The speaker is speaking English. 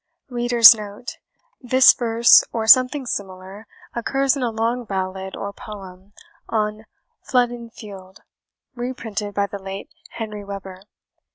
[This verse, or something similar, occurs in a long ballad, or poem, on Flodden Field, reprinted by the late Henry Weber.